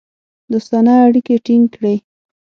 دوستانه اړیکې ټینګ کړې.